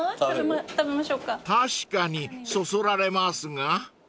［確かにそそられますが］